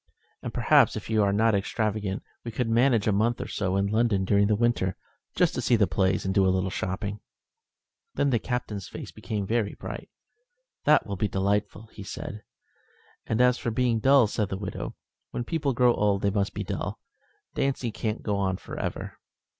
"And perhaps, if you are not extravagant, we could manage a month or so in London during the winter, just to see the plays and do a little shopping." Then the Captain's face became very bright. "That will be delightful," said he. "And as for being dull," said the widow, "when people grow old they must be dull. Dancing can't go on for ever."